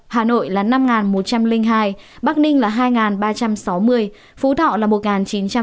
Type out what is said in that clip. hà nội là năm một trăm linh hai bắc ninh là hai ba trăm sáu mươi phú thọ là một chín trăm tám mươi hai